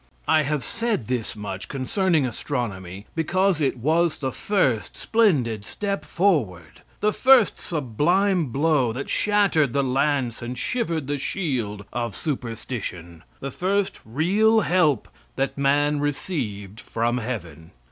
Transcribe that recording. I have said this much concerning astronomy because it was the first splendid step forward! The first sublime blow that shattered the lance and shivered the shield of superstition; the first real help that man received from heaven.